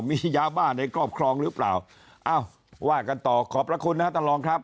มียาบ้าในครอบครองหรือเปล่าเอ้าว่ากันต่อขอบพระคุณนะท่านรองครับ